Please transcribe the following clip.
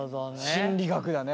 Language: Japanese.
心理学だね